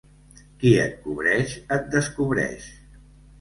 Qui et cobreix et descobreix.